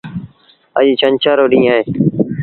اَڄ ڇنڇر رو ڏيٚݩهݩ اهي۔